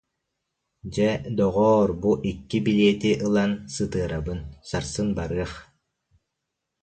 Дьэ, доҕоор, бу икки билиэти ылан сы- тыарабын, сарсын барыах